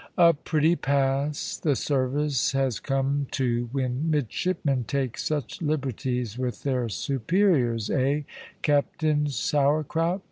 "A pretty pass the service has come to when midshipmen take such liberties with their superiors, eh, Captain Sourcrout?"